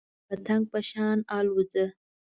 د پتنګ په شان الوځه .